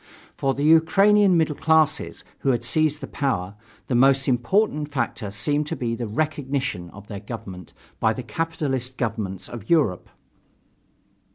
For the Ukrainian middle classes, who had seized the power, the most important factor seemed to be the "recognition" of their government by the capitalist governments of Europe.